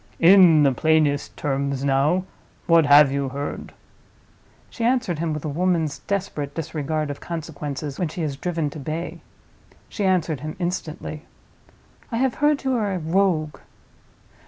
In the plainest terms, now, what have you heard?" She answered him with a woman's desperate disregard of consequences when she is driven to bay—she answered him instantly, "I have heard you are a Rogue."